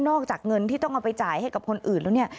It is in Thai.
อกจากเงินที่ต้องเอาไปจ่ายให้กับคนอื่นแล้วเนี่ย